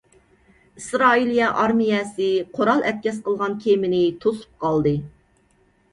ئىسرائىلىيە ئارمىيەسى قورال ئەتكەس قىلغان كېمىنى توسۇپ قالدى.